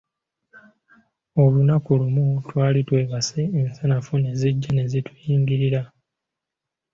Olunaku lumu twali twebase ensanafu ne zijja ne zituyingirira.